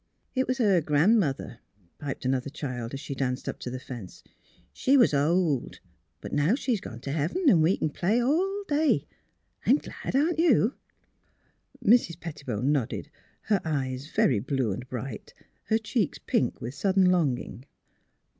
" It was her Gran 'mother," piped another child, as she danced up to the fence. '' She was old; but now she's gone to heaven, and we can play all day. I'm glad; aren't you? " Mrs. Pettibone nodded, her eyes very blue and bright, her cheeks pink with sudden longing.